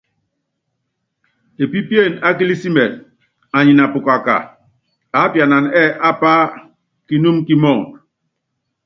Epípíene á kilísimɛt anyi na pukaka, aápianan ɛ́ɛ́ ápá kinúmu kímɔɔdɔ.